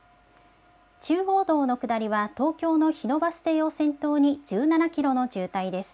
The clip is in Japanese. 中央道の下りは東京の日野バス停を先頭に１７キロの渋滞です。